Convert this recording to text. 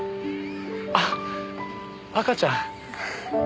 ああ赤ちゃん？